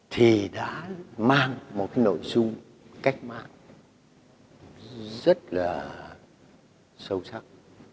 thì đã mang một cái nội dung cách mạng rất là sâu sắc